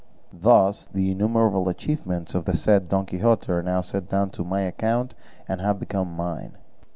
Thus the innumerable achievements of the said Don Quixote are now set down to my account and have become mine."